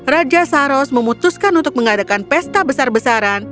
raja saros memutuskan untuk mengadakan pesta besar besaran